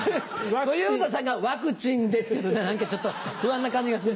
小遊三さんが「ワクチンで」って言うとね何かちょっと不安な感じがする。